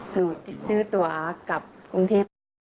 หนูซื้อตัวกลับกรุงเทพฯคือวันที่๒๐